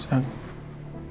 selamat siang pak amar